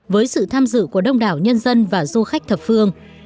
với sự tham dự của đông đảo nhân dân và du khách thập phương